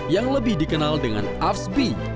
yang lebih dikenal dengan arsbi